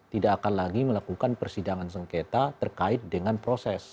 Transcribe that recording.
tidak akan lagi melakukan persidangan sengketa terkait dengan proses